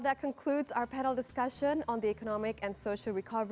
dengan pembicaraan tentang penyelesaian ekonomi dan sosial saat kisah